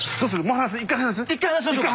１回離しましょうか。